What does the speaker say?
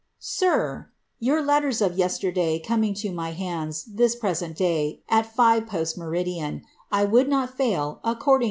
If^ — ^Tour letters of yesterday coming to my hands this present day, at five meridian, I would not fail, accordinj?